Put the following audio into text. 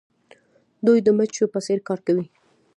دوی د مچیو په څیر کار کوي.